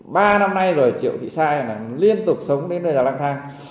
ba năm nay rồi triệu thị sai liên tục sống đến nơi là lang thang